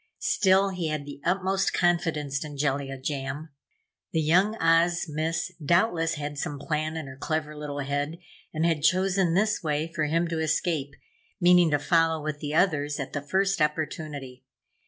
Still, he had the utmost confidence in Jellia Jam. The Young Oz Miss doubtless had some plan in her clever little head and had chosen this way for him to escape, meaning to follow with the others at the first opportunity.